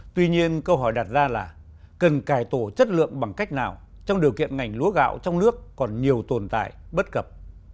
tuy nhiên câu hỏi đặt ra là cần cải tổ chất lượng bằng cách nào trong điều kiện ngành lúa gạo trong nước còn nhiều tồn tại bất cập